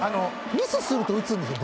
ミスすると打つんですよ